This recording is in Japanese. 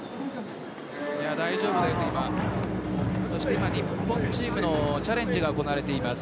今、日本チームのチャレンジが行われています。